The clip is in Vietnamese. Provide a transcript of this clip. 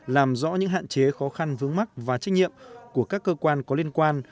làm rõ những hạn chế khó khăn vướng mắt và trách nhiệm của các cơ quan có liên quan